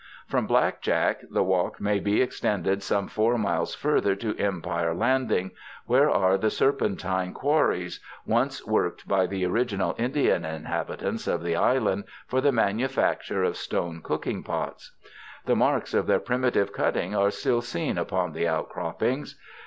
From Black Jack the walk may be extended some four miles further to Empire Lauding where are the serpentine quarries, once worked by the original Indian inhabitants of the island for the manufacture of stone cooking pots. The marks of their primitive cutting are still seen upon the outcroppings.